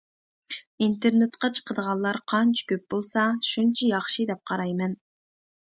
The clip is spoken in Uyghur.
ئىنتېرنېتقا چىقىدىغانلار قانچە كۆپ بولسا شۇنچە ياخشى دەپ قارايمەن.